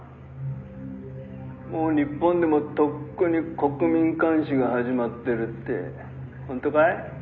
「もう日本でもとっくに国民監視が始まってるって本当かい？」